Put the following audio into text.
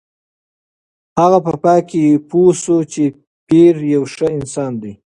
هغه په پای کې پوه شوه چې پییر یو ښه انسان دی.